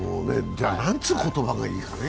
じゃ、なんつう言葉がいいかね？